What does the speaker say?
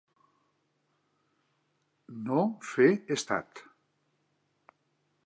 No fer estat.